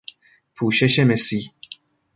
پوشش مسی